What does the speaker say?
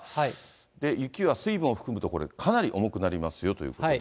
で、雪は水分を含むとこれ、かなり重くなりますよということで。